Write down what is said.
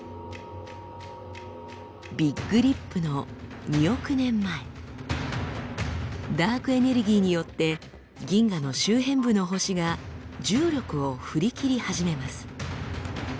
ビッグリップの２億年前ダークエネルギーによって銀河の周辺部の星が重力を振り切り始めます。